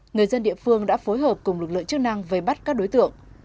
người dân địa phương đã phối hợp cùng lực lượng chức năng về bắt các đối tượng